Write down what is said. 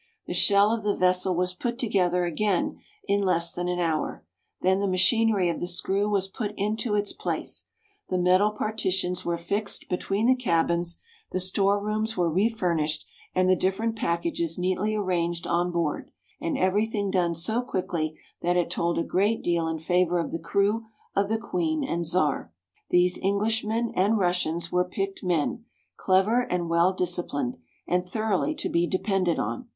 The shell of the vessel was put together again in less than an hour; then the machinery of the screw was put into its place ; the metal partitions were fixed between the cabins ; the store rooms were re furnished, and the different packages neatly arranged on board, and every thing done so quickly that it told a great deal in favour of the crew of the " Queen and Czar." These Englishmen and Russians were picked men, clever and well disciplined, and thoroughly to be depended on.